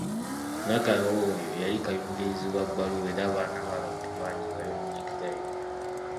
Nagawa oyo yalinga kayungirizi wa bbaluwa era abaana ba bantu bangi baayonoonekerawo nnyo.